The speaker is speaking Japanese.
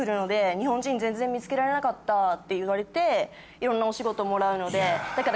日本人全然見つけられなかったって言われていろんなお仕事もらうので。